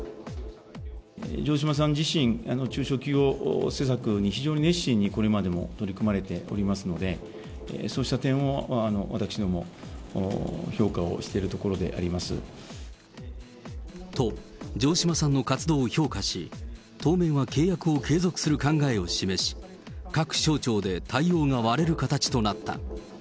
城島さん自身、中小企業政策に非常に熱心にこれまでも取り組まれておりますので、そうした点を私ども、と、城島さんの活動を評価し、当面は契約を継続する考えを示し、各省庁で対応が割れる形となった。